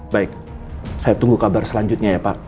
baik saya tunggu kabar selanjutnya ya pak